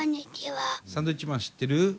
サンドウィッチマン知ってる？